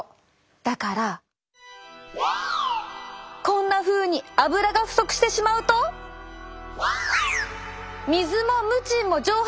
だからこんなふうにアブラが不足してしまうと水もムチンも蒸発。